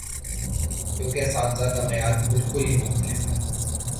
کیونکہ اساتذہ کا معیار بالکل ہی مختلف تھا۔